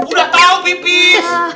udah tahu pipis